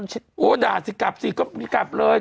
โหด่าสิกลับสิกลับเลย